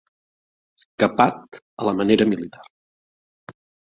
Capat a la manera militar.